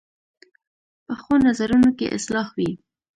پخو نظرونو کې اصلاح وي